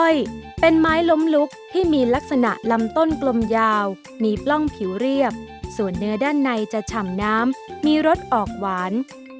เป็นไม้ล้มลุกที่มีลักษณะลำต้นกลมยาวมีปล้องผิวเรียบส่วนเนื้อด้านในจะฉ่ำน้ำมีรสออกหวาน